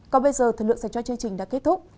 còn bây giờ thời lượng dành cho chương trình đã kết thúc